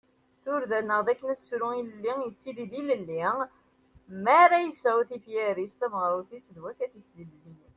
Turda-nneɣ d akken asefru ilelli yettili d ilelli mi ara ad yesɛu ifyar-is d tmaɣrut-is d wakat-is d ilelliyen.